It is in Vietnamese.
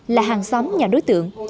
là hàng xóm nhà đối tượng